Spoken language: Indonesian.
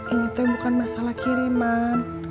ini tuh bukan masalah kiriman